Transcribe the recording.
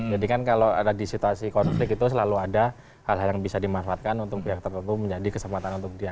jadi kan kalau ada di situasi konflik itu selalu ada hal hal yang bisa dimanfaatkan untuk pihak tertentu menjadi kesempatan untuk dia